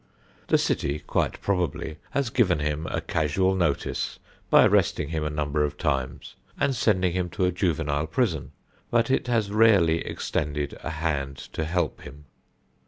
The city quite probably has given him a casual notice by arresting him a number of times and sending him to a juvenile prison, but it has rarely extended a hand to help him.